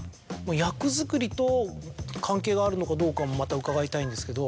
役作りと関係があるのかどうかもまた伺いたいんですけど。